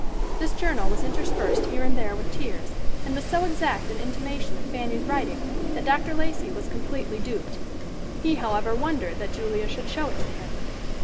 This journal was interspersed here and there with tears, and was so exact an imitation of Fanny's writing that Dr. Lacey was completely duped. He, however, wondered that Julia should show it to him.